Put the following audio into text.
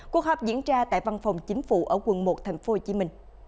cuộc họp diễn ra tại văn phòng chính phủ ở quận một tp hcm